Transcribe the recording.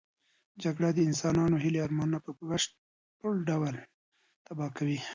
جګړه د انسانانو هیلې او ارمانونه په بشپړ ډول تباه کوي.